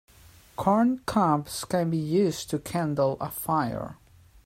Corn cobs can be used to kindle a fire.